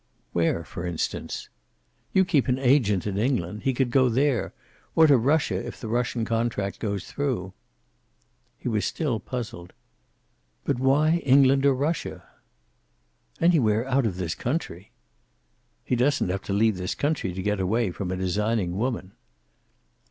"Where, for instance?" "You keep an agent in England. He could go there. Or to Russia, if the Russian contract goes through." He was still puzzled. "But why England or Russia?" "Anywhere out of this country." "He doesn't have to leave this country to get away from a designing woman."